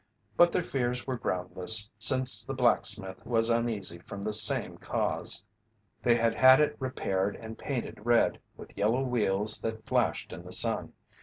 But their fears were groundless, since the blacksmith was uneasy from the same cause. They had had it repaired and painted red, with yellow wheels that flashed in the sun.